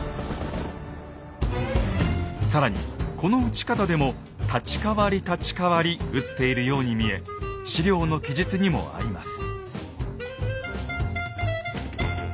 更にこの撃ち方でも「立ち代わり立ち代わり」撃っているように見え史料の記述にも合います。